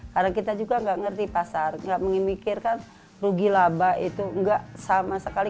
karena kita juga nggak ngerti pasar nggak memikirkan rugi laba itu enggak sama sekali